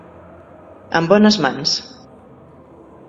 En bones mans.